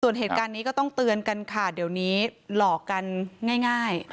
ส่วนเหตุการณ์นี้ก็ต้องเตือนกันค่ะเดี๋ยวนี้หลอกกันง่าย